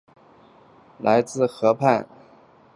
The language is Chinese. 莱兹河畔莱扎人口变化图示